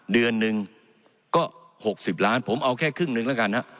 เดือนหนึ่งก็๖๐ล้านผมเอาแค่ครึ่งหนึ่งแล้วกันฮะ